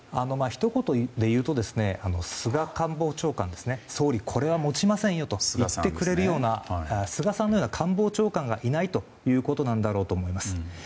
ひと言でいうと菅官房長官ですね総理、これはもちませんよと言ってくれるような菅さんのような官房長官がいないだろうということなんです。